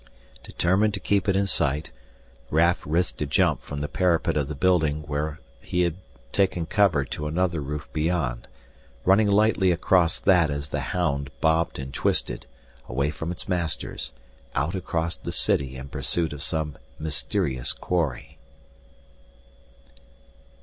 Determined to keep it in sight, Raf risked a jump from the parapet of the building where he had taken cover to another roof beyond, running lightly across that as the hound bobbed and twisted, away from its masters, out across the city in pursuit of some mysterious quarry....